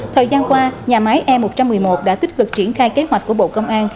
thời gian qua nhà máy e một trăm một mươi một đã tích cực triển khai kế hoạch của bộ công an